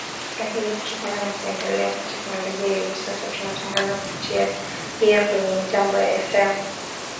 Lakini kutokana na kuendelea kwa teknolojia hivi sasa tunatangaza kupitia pia kwenye mitambo ya FM kupitia redio zetu shirika za kanda ya Afrika Mashariki na Kati.